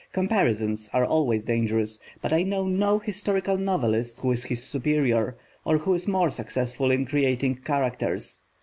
Comparisons are always dangerous, but I know no historical novelist who is his superior, or who is more successful in creating characters.